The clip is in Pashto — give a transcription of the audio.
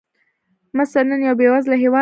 مصر نن یو بېوزله هېواد دی.